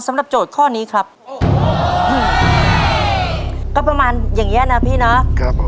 โจทย์ข้อนี้ครับก็ประมาณอย่างเงี้ยนะพี่นะครับผม